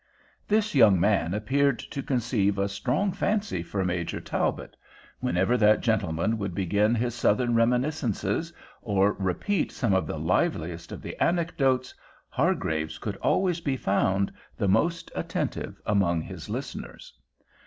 This young man appeared to conceive a strong fancy for Major Talbot. Whenever that gentleman would begin his Southern reminiscences, or repeat some of the liveliest of the anecdotes, Hargraves could always be found, the most attentive among his listeners.